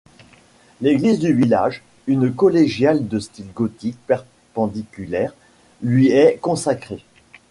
L'église du village, une collégiale de style gothique perpendiculaire, lui est consacrée.